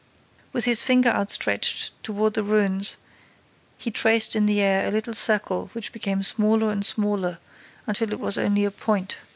With his finger outstretched toward the ruins, he traced in the air a little circle which became smaller and smaller until it was only a point.